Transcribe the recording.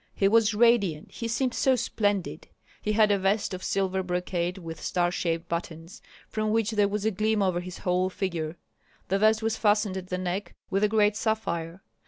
He was radiant, he seemed so splendid. He had a vest of silver brocade with star shaped buttons, from which there was a gleam over his whole figure; the vest was fastened at the neck with a great sapphire.